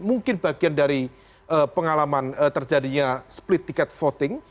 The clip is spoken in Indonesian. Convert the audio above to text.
mungkin bagian dari pengalaman terjadinya split ticket voting